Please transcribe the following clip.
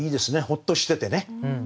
ほっとしててね。